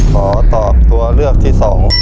ขอตอบตัวเลือกที่๒